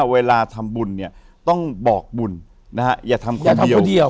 เวลาทำบุญเนี่ยต้องบอกบุญอย่าทำแค่เดียว